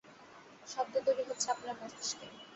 শব্দ তৈরি হচ্ছে আপনার মস্তিষ্কে।